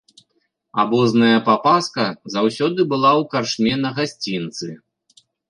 Абозная папаска заўсёды была ў карчме на гасцінцы.